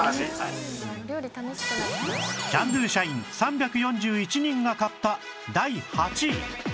キャンドゥ社員３４１人が買った